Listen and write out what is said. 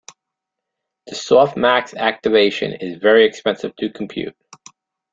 The softmax activation is very expensive to compute.